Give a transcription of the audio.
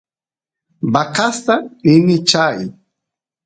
vacasta rini chay